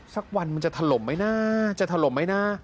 สักวันมันจะถล่มไหมนะจะถล่มไหมนะ